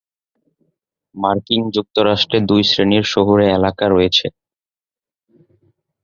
মার্কিন যুক্তরাষ্ট্রে দুই শ্রেণীর শহুরে এলাকা রয়েছে।